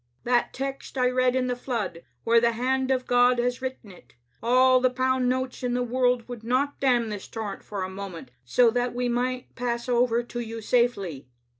' That text I read in the flood, where the hand of God has written it. All the pound notes in the world would not dam this torrent for a moment, so that we might pass over to you safely.